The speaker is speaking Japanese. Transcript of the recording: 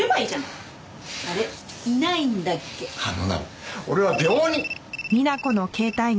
あのな俺は病人。